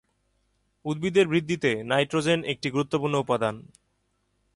উদ্ভিদের বৃদ্ধিতে নাইট্রোজেন একটি গুরুত্বপূর্ণ উপাদান।